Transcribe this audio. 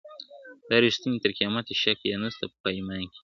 دا ریښتونی تر قیامته شک یې نسته په ایمان کي `